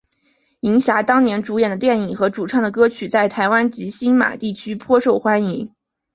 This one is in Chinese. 银霞当年主演的电影和主唱歌曲在台湾及星马地区颇受欢迎。